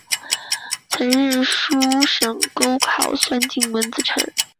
曾任秘书省钩考算经文字臣。